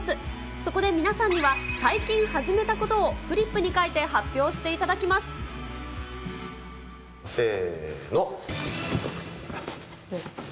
そこで皆さんには、最近始めたことをフリップに書いて発表していせーの。